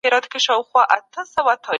خوښي